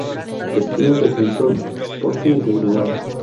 Destino: Defensor Sporting de Uruguay.